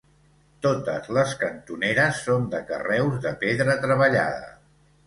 Totes les cantoneres són de carreus de pedra treballada.